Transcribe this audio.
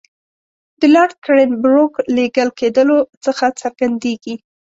د لارډ کرېنبروک لېږل کېدلو څخه څرګندېږي.